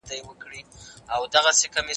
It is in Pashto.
ځینې شنونکي د څېړنې تفسیر ستایي.